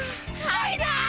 はいだ。